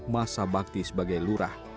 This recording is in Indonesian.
masa bakti sebagai lurah